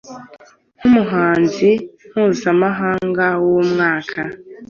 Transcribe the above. nk’umuhanzi mpuzamahanga w’umwaka